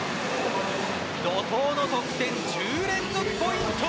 怒涛の得点、１０連続ポイント。